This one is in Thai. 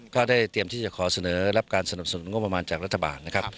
ก็ได้เตรียมที่จะขอเสนอรับการสนับสนุนงบประมาณจากรัฐบาลนะครับ